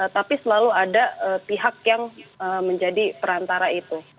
tapi selalu ada pihak yang menjadi perantara itu